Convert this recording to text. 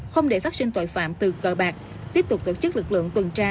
không để phát sinh tội phạm từ cờ bạc tiếp tục tổ chức lực lượng tuần tra